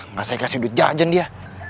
masa ikat sudut jajan dia